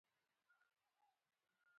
درې ملګري وه یو علم بل عزت وو